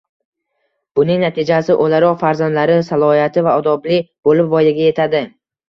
Buning natijasi o‘laroq farzandlari salohiyati va odobli bo‘lib voyaga yetadi